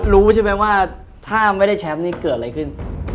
รู้ใช่ไหมว่าถ้าไม่ได้แชมป์นี้เกิดอะไรขึ้น